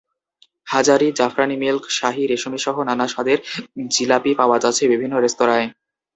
হাজারি, জাফরানি মিল্ক, শাহি, রেশমিসহ নানা স্বাদের জিলাপি পাওয়া যাচ্ছে বিভিন্ন রেস্তোরাঁয়।